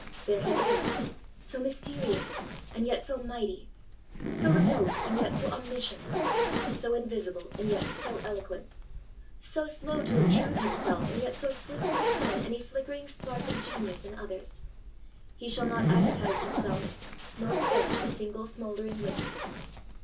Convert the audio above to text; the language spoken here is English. There He is, so mysterious and yet so mighty; so remote and yet so omniscient; so invisible and yet so eloquent; so slow to obtrude Himself and yet so swift to discern any flickering spark of genius in others. He shall not advertise Himself nor quench a single smouldering wick.